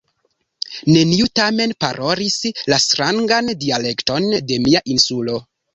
Neniu tamen parolis la strangan dialekton de mia Insulo.